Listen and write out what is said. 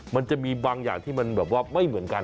มันจะมีบางอย่างที่มันแบบว่าไม่เหมือนกัน